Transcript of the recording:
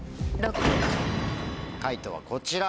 解答はこちら。